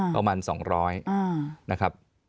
ประมาณ๒๐๐นะครับ